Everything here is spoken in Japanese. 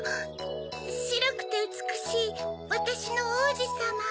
「しろくてうつくしいわたしのおうじさま」。